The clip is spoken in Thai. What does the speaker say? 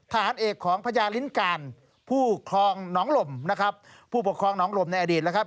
บางคนก็เอาไปยกดื่มกินเอาไปล้างหน้านะครับ